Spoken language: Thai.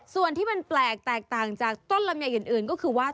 ส่วนที่มันแปลกแตกต่างจากต้นลำไยอื่นก็คือว่า